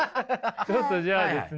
ちょっとじゃあですね